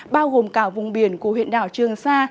bao gồm cả vùng biển của huyện đảo trường sa